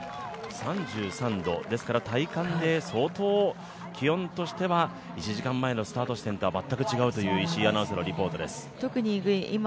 ３３度ですから、体感で相当気温としては１時間前のスタート地点とは全く違うというリポートでした。